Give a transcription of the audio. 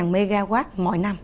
sáu mw mỗi năm